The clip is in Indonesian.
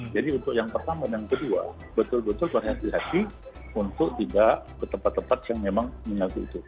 jadi untuk yang pertama dan yang kedua betul betul berhentilasi untuk tidak ke tempat tempat yang memang mengalami itu